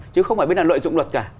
chứ không phải bên nào lợi dụng luật cả